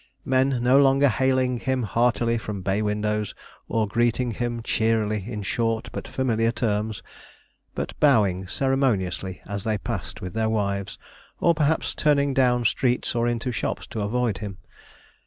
Men no longer hailing him heartily from bay windows, or greeting him cheerily in short but familiar terms, but bowing ceremoniously as they passed with their wives, or perhaps turning down streets or into shops to avoid him.